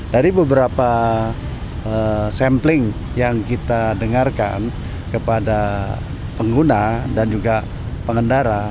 dari beberapa sampling yang kita dengarkan kepada pengguna dan juga pengendara